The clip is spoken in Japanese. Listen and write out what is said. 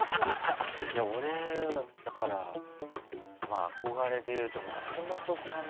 いや俺だから憧れでいうと松本さんと。